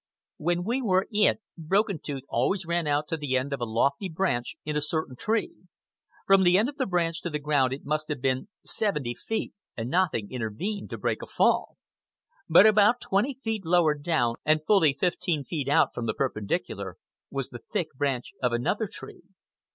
When we were "It," Broken Tooth always ran out to the end of a lofty branch in a certain tree. From the end of the branch to the ground it must have been seventy feet, and nothing intervened to break a fall. But about twenty feet lower down, and fully fifteen feet out from the perpendicular, was the thick branch of another tree.